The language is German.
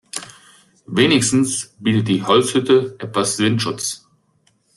Wenigstens bietet die Holzhütte etwas Windschutz.